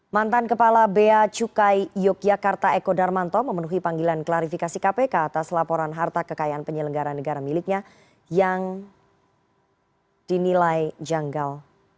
mantan kepala bea cukai yogyakarta eko darmanto memenuhi panggilan klarifikasi kpk atas laporan harta kekayaan penyelenggara negara miliknya yang dinilai janggal